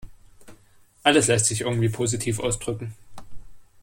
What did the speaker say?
Alles lässt sich irgendwie positiv ausdrücken.